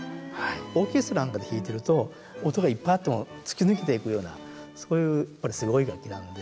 オーケストラなんかで弾いてると音がいっぱいあっても突き抜けていくようなそういうすごい楽器なので。